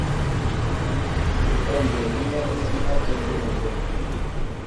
Ŋ̀kʉtɛ̌ mbey gínɛ́ i díín átə̂ ŋgʉ́meŋgeŋ.